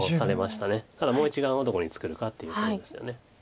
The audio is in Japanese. ただもう１眼をどこに作るかっていうことですよね。